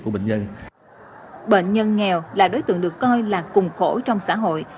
bệnh nhân nghèo là đối tượng được coi là cùng khổ trong xã hội